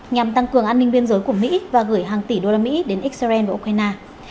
nhằm tăng cường an ninh biên giới của mỹ và gửi hàng tỷ usd đến israel và ukraine